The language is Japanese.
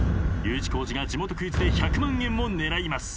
Ｕ字工事が地元クイズで１００万円を狙います。